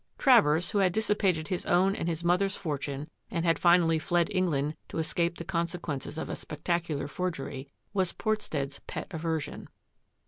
Travers, who had dissipated his own and his mother's fortune and had finally fled England to escape the consequences of a spectacular forgery, was Portstead's pet aversion.